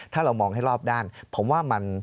ถ้าเรามองให้รอบด้านผมว่ามัน